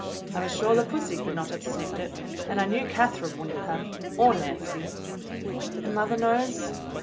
I was sure the pussy could not have snipped it, and I knew Catherine would n't have, or Nancy." "And mother knows?"